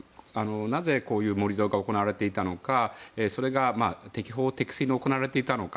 なぜ、こういう盛り土が行われていたのかそれが適法、適正に行われていたのか。